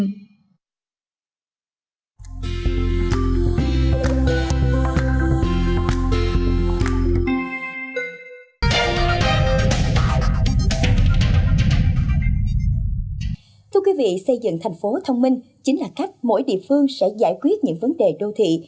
giải pháp xây dựng đô thị xây dựng thành phố thông minh chính là cách mỗi địa phương sẽ giải quyết những vấn đề đô thị